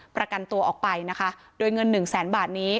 ประกันตัวออกไปนะคะโดยเงินหนึ่งแสนบาทนี้